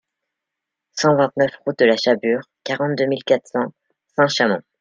cent vingt-neuf route de la Chabure, quarante-deux mille quatre cents Saint-Chamond